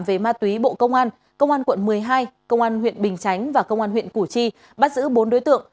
về ma túy bộ công an công an quận một mươi hai công an huyện bình chánh và công an huyện củ chi bắt giữ bốn đối tượng